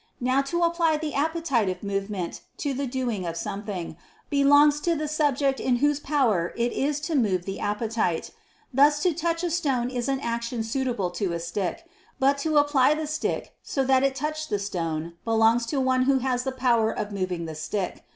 Now to apply the appetitive movement to the doing of something, belongs to the subject in whose power it is to move the appetite: thus to touch a stone is an action suitable to a stick, but to apply the stick so that it touch the stone, belongs to one who has the power of moving the stick.